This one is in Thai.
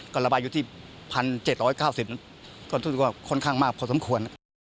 ก็ระบายอยู่ที่๑๗๙๐ต้นทุนก็ค่อนข้างมากพอสมควร